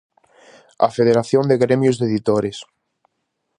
A Federación de Gremios de Editores.